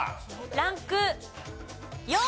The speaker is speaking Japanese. ランク４。